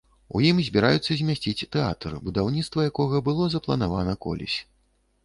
У ім збіраюцца змясціць тэатр, будаўніцтва якога было запланавана колісь.